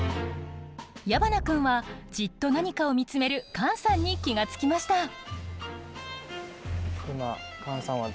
矢花君はじっと何かを見つめるカンさんに気が付きました。